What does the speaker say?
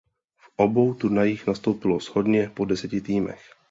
V obou turnajích nastoupilo shodně po deseti týmech.